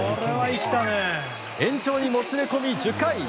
延長にもつれ込み、１０回。